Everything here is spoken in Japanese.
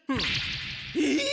えっ！？